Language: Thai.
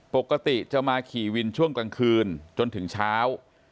ปกติจะมาขี่วินช่วงกลางคืนจนถึงเช้า